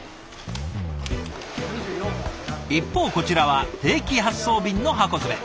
一方こちらは定期発送便の箱詰め。